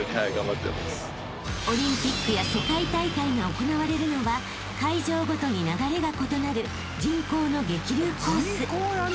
［オリンピックや世界大会が行われるのは会場ごとに流れが異なる人工の激流コース］